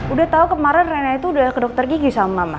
udah tahu kemarin rena itu udah ke dokter gigi sama mama